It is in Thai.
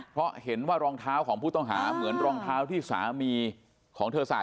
เพราะเห็นว่ารองเท้าของผู้ต้องหาเหมือนรองเท้าที่สามีของเธอใส่